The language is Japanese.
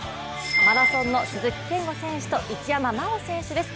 マラソンの鈴木健吾選手と一山麻緒選手です。